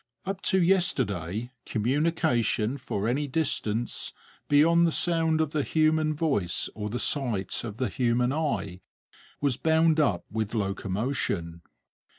Up to yesterday communication for any distance beyond the sound of the human voice or the sight of the human eye was bound up with locomotion.